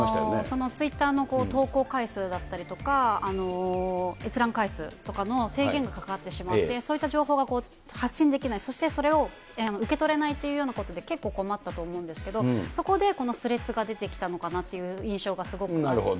そのツイッターの投稿回数だったりとか、閲覧回数とかの制限がかかってしまって、そういった情報が発信できない、そしてそれを受け取れないというようなことで、結構困ったと思うんですけど、そこでこのスレッズが出てきたのかなという印象がすごくあって、